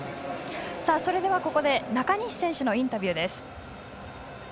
それではここで中西選手のインタビューです。